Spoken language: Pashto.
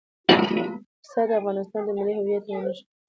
پسه د افغانستان د ملي هویت یوه نښه ده.